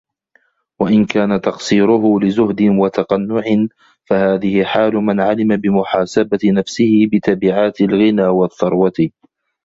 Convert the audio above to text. وَإِنْ كَانَ تَقْصِيرُهُ لِزُهْدٍ وَتَقَنُّعٍ فَهَذِهِ حَالُ مَنْ عَلِمَ بِمُحَاسَبَةِ نَفْسِهِ بِتَبِعَاتِ الْغِنَى وَالثَّرْوَةِ